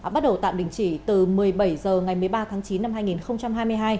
bắt đầu tạm đình chỉ từ một mươi bảy h ngày một mươi ba tháng chín năm hai nghìn hai mươi hai